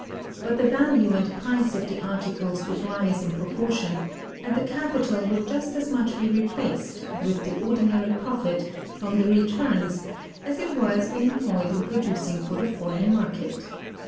But the value and price of the articles would rise in proportion; and the capital would just as much be replaced, with the ordinary profit, from the returns, as it was when employed in producing for the foreign market.